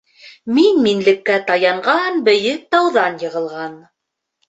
Мин-минлеккә таянған бейек тауҙан йығылған.